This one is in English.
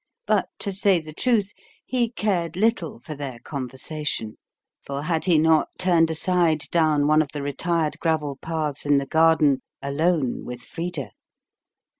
But, to say the truth, he cared little for their conversation; for had he not turned aside down one of the retired gravel paths in the garden, alone with Frida?